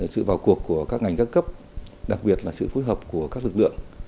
sự vào cuộc của các ngành các cấp đặc biệt là sự phối hợp của các lực lượng